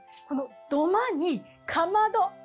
この土間にかまど。